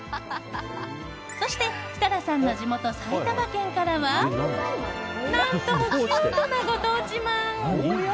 そして、設楽さんの地元埼玉県からは何ともキュートなご当地まん。